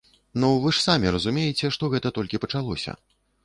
Ну, вы ж самі разумееце, што гэта толькі пачалося.